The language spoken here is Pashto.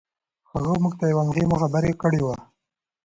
هغه موږ ته يوه مهمه خبره کړې وه.